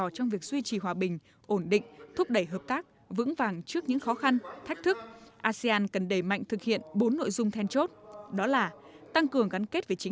chung tay hành động tăng cường hợp tác trên cơ sở luật pháp quốc tế bình đẳng cùng có lợi